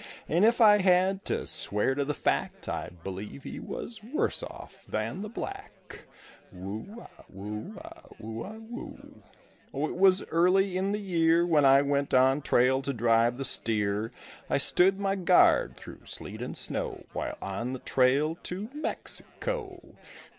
And if I had to swear to the fact, I believe he was worse off than the black. Whoo a whoo a whoo a whoo. Oh, it was early in the year When I went on trail to drive the steer. I stood my guard through sleet and snow While on the trail to Mexico.